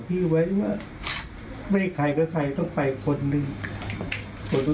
พอแล้วเลือดออกไปเร็ว